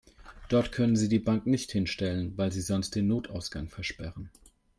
Dort können Sie die Bank nicht hinstellen, weil Sie sonst den Notausgang versperren.